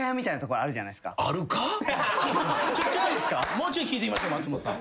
もうちょい聞いてみましょう松本さん。